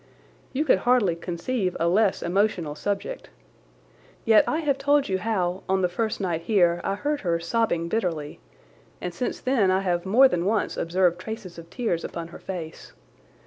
You could hardly conceive a less emotional subject. Yet I have told you how, on the first night here, I heard her sobbing bitterly, and since then I have more than once observed traces of tears upon her face.